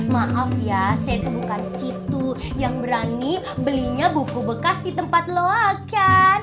maaf ya saya itu bukan situ yang berani belinya buku bekas di tempat loakan